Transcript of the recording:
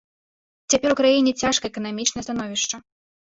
Цяпер у краіне цяжкае эканамічнае становішча.